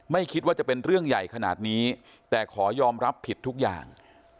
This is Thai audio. ไม่คิดว่าจะเป็นเรื่องใหญ่ขนาดนี้แต่ขอยอมรับผิดทุกอย่าง